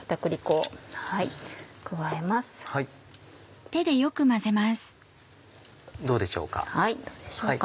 はいどうでしょうか？